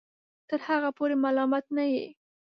تر هغه پورې ملامت نه یې